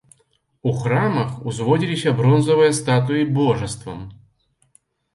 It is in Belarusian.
У храмах узводзіліся бронзавыя статуі божаствам.